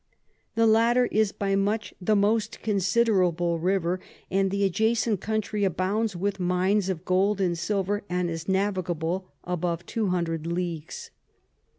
The latter is by much the most considerable River, and the adjacent Country abounds with Mines of Gold and Silver, and is navigable above 200 Leagues.